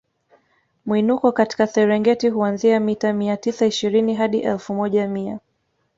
Mwinuko katika Serengeti huanzia mita mia tisa ishirini hadi elfu moja mia